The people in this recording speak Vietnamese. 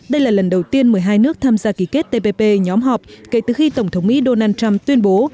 đây là lần đầu tiên một mươi hai nước tham gia ký kết tpp nhóm họp kể từ khi tổng thống mỹ donald trump tuyên bố